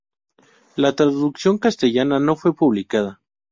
La traducción castellana no fue publicada.